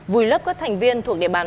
vùi lấp các thành viên thuộc địa bàn